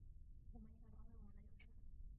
我们应该发挥我们的优势